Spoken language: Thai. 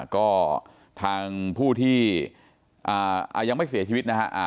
ก็ทางผู้ที่ยังไม่เสียชีวิตนะฮะ